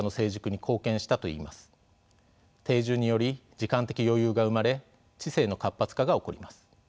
定住により時間的余裕が生まれ知性の活発化が起こります。